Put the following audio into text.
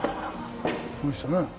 この人な。